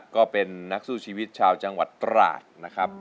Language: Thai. ก็เป็นนักสู้ชีวิตชาวจังหวัดตราดนะครับ